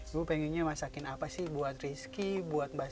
gue pengennya masakin apa sih buat rizky buat mbak